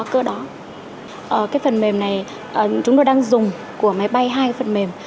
cái phần mềm này chúng tôi đang dùng của máy bay hai phần mềm